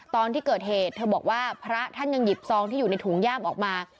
ตอนที่เกิดเหตุเธอบอกว่าพระท่านยังหยิบซองที่อยู่ในถุงย่ามออกมา